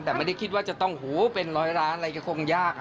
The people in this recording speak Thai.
แต่ไม่ได้คิดว่าจะต้องหูเป็นร้อยล้านอะไรก็คงยาก